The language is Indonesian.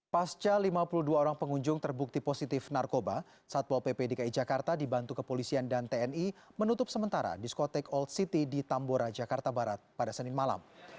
pasca lima puluh dua orang pengunjung terbukti positif narkoba satpol pp dki jakarta dibantu kepolisian dan tni menutup sementara diskotek old city di tambora jakarta barat pada senin malam